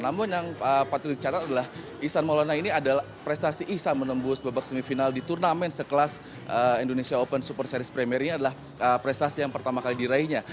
namun yang patut dicatat adalah ihsan maulana ini adalah prestasi ihsan menembus babak semifinal di turnamen sekelas indonesia open super series premier ini adalah prestasi yang pertama kali diraihnya